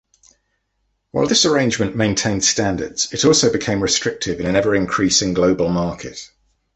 Whilst this arrangement maintained standards, it also became restrictive in an ever-increasing global market.